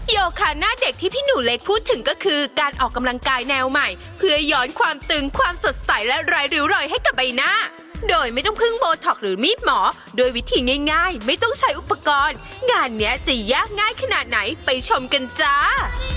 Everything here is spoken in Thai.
โยคาหน้าเด็กที่พี่หนูเล็กพูดถึงก็คือการออกกำลังกายแนวใหม่เพื่อย้อนความตึงความสดใสและรายริ้วรอยให้กับใบหน้าโดยไม่ต้องพึ่งโบท็อกหรือมีดหมอโดยวิธีง่ายไม่ต้องใช้อุปกรณ์งานเนี้ยจะยากง่ายขนาดไหนไปชมกันจ้า